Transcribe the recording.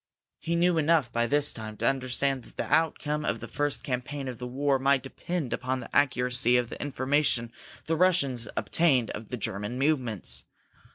He knew enough, by this time, to understand that the outcome of the first campaign of the war might depend upon the accuracy of the information the Russians obtained of the German movements.